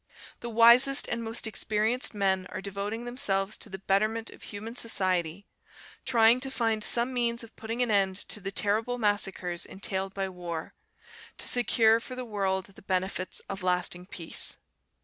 The wisest and most experienced men are devoting themselves to the betterment of human society, trying to find some means of putting an end to the terrible massacres entailed by war, to secure for the world the benefits of lasting peace.